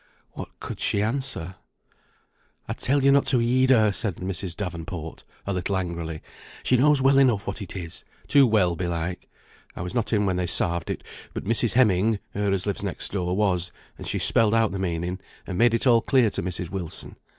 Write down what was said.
What could she answer? "I telled ye not to heed her," said Mrs. Davenport, a little angrily. "She knows well enough what it is, too well, belike. I was not in when they sarved it; but Mrs. Heming (her as lives next door) was, and she spelled out the meaning, and made it all clear to Mrs. Wilson.